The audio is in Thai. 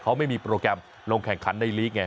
เขาไม่มีโปรแกรมลงแข่งขันในลีกไง